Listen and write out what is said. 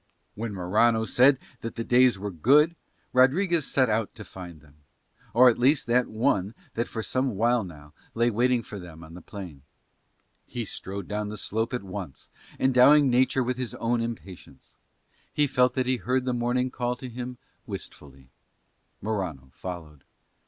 When Morano said that the days were good Rodriguez set out to find them, or at least that one that for some while now lay waiting for them on the plain. He strode down the slope at once and, endowing nature with his own impatience, he felt that he heard the morning call to him wistfully. Morano followed.